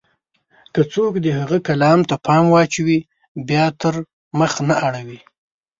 که څوک د هغه کلام ته پام واچوي، بيا ترې مخ نه اړوي.